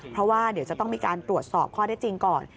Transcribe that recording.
เพราะว่าเดี๋ยวจะต้องมีการตรวจสอบข้อได้จริงก่อน